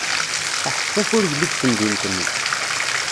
Aḥeffaf ur yelli deg temdint-nni.